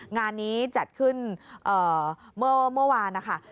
งานนี้จัดขึ้นเมื่อวานนะคะ